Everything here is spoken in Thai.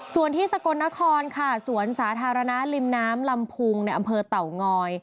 ส่วนที่สกลนครค่ะสวนสาธารณะริมน้ำลำพุงในอำเภอเต่างอย